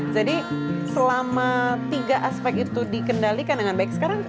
jadi selama tiga aspek itu kita harus mengusahakan untuk mengurangi kualitas hidup kita